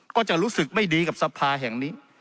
ก็จะรู้สึกไม่ดีกับสภาแห่งนี้